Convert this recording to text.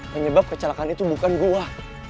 penyebab kecelakaan itu bukan goa